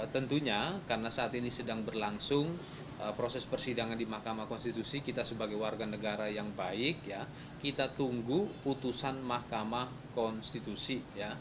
tentunya karena saat ini sedang berlangsung proses persidangan di mahkamah konstitusi kita sebagai warga negara yang baik kita tunggu putusan mahkamah konstitusi